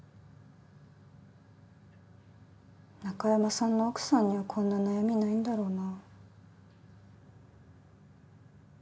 中山さんの奥さんにはこんな悩みないんだろうな。